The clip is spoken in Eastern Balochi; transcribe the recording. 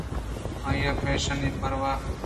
آئی ءِپیشانی پرٛاہ